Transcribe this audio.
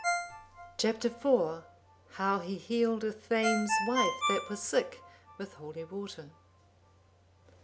Chap. IV. How he healed a thegn's wife that was sick, with holy water.